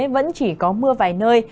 vẫn chỉ có mưa vài nơi